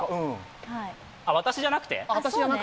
あっ、私じゃなくて？